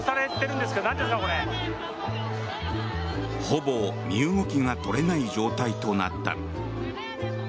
ほぼ身動きが取れない状態となった。